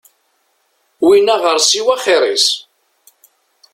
Win aɣersiw axir-is.